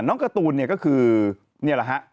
น้องการ์ตูนก็คือนี่แหละฮะ